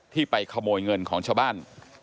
ไปขโมยเงินของชาวบ้าน